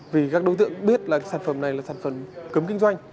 vì các đối tượng biết là sản phẩm này là sản phẩm cấm kinh doanh